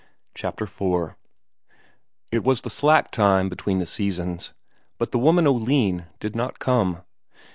Chapter IV It was the slack time between the seasons, but the woman Oline did not come.